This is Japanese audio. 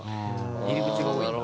入り口が多いんだ。